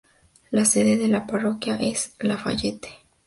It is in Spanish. La sede de la parroquia es Lafayette.